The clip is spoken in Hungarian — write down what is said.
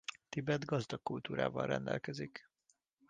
Tibet gazdag kultúrával rendelkezik.